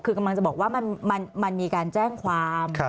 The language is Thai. คือกำลังจะบอกว่ามันมีการแจ้งความ